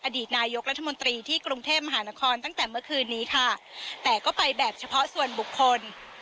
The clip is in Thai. อดีตนายกรัฐมนตรีที่กรุงเทพมหานครตั้งแต่เมื่อคืนนี้ค่ะแต่ก็ไปแบบเฉพาะส่วนบุคคล